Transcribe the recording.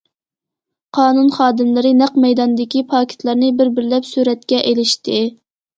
قانۇن خادىملىرى نەق مەيداندىكى پاكىتلارنى بىر- بىرلەپ سۈرەتكە ئېلىشتى.